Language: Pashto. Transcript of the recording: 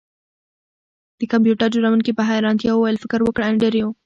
د کمپیوټر جوړونکي په حیرانتیا وویل فکر وکړه انډریو